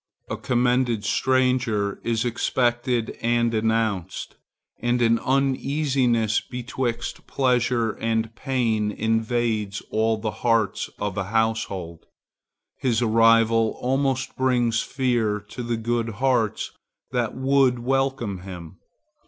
A commended stranger is expected and announced, and an uneasiness betwixt pleasure and pain invades all the hearts of a household. His arrival almost brings fear to the good hearts that would welcome him.